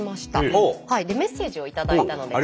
でメッセージを頂いたので。